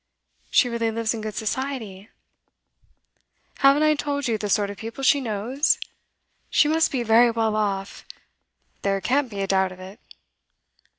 'She really lives in good society?' 'Haven't I told you the sort of people she knows? She must be very well off; there can't be a doubt of it.